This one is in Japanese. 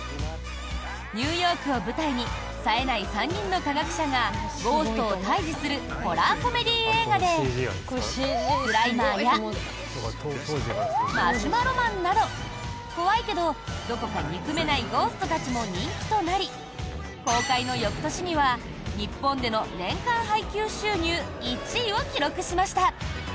ニューヨークを舞台に冴えない３人の科学者がゴーストを退治するホラーコメディー映画でスライマーやマシュマロマンなど怖いけど、どこか憎めないゴーストたちも人気となり公開の翌年には日本での年間配給収入１位を記録しました。